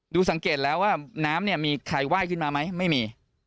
สังเกตแล้วว่าน้ำเนี่ยมีใครไหว้ขึ้นมาไหมไม่มี